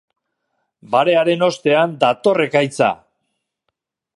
Barearen ostean dator ekaitza.